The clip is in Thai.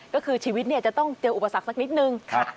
ก็คือชีวิตจะต้องเจออุปสรรคสักนิดนึง